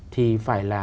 thì phải là